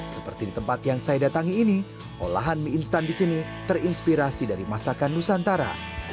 seperti di tempat yang saya datangi ini olahan mie instan di sini terinspirasi dari masakan nusantara